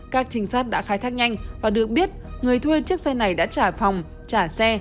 các trinh sát đã khai thác nhanh và được biết người thuê chiếc xe này đã trả phòng trả xe